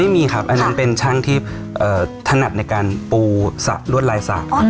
ไม่มีครับอันนั้นเป็นช่างที่ถนัดในการปูสระลวดลายสระ